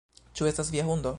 Ĉu estas via hundo?